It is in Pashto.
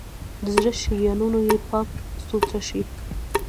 د زړه شریانونه یې پاک سوتره شي.